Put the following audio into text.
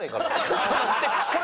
ちょっと待って！